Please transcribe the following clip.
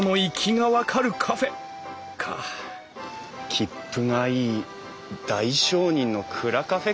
きっぷがいい大商人の蔵カフェか？